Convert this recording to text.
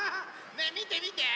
ねえみてみて！